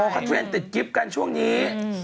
ก็เตือนติดกริ๊บกันช่วงนี้